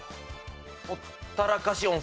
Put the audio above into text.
ほったらかし温泉。